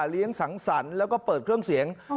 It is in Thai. สังสรรค์แล้วก็เปิดเครื่องเสียง